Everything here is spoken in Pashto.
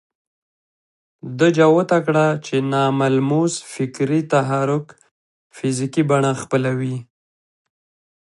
ده جوته کړه چې ناملموس فکري تحرک فزيکي بڼه خپلوي.